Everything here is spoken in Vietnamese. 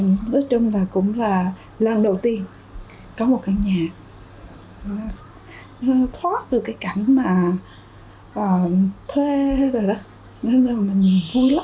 nói chung là cũng là lần đầu tiên có một căn nhà thoát được cái cảnh mà thuê rồi đó nên là mình vui lắm